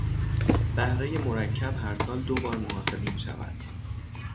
بهرهی مرکب هرسال دوبار محاسبه میشود.